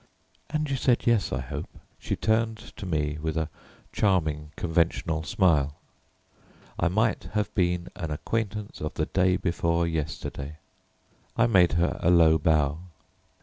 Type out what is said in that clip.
"And you said yes, I hope?" She turned to me with a charming conventional smile. I might have been an acquaintance of the day before yesterday. I made her a low bow.